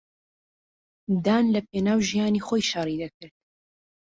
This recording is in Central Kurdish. دان لەپێناو ژیانی خۆی شەڕی دەکرد.